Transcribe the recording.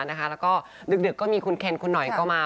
แล้วก็ดึกก็มีคุณเคนคุณหน่อยก็มา